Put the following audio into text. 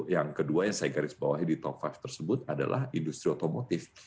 yang kedua yang saya garis bawahi di top lima tersebut adalah industri otomotif